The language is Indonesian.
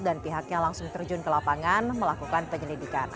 dan pihaknya langsung terjun ke lapangan melakukan penyelidikan